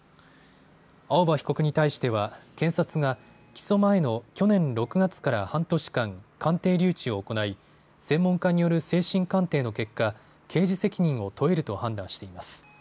青葉被告に対しては検察が起訴前の去年６月から半年間、鑑定留置を行い専門家による精神鑑定の結果、刑事責任を問えると判断しています。